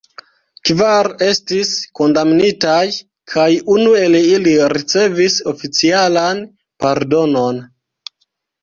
Kvar estis kondamnitaj, kaj unu el ili ricevis oficialan pardonon.